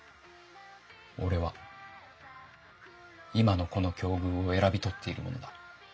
俺は今のこの境遇を選び取っている者だ。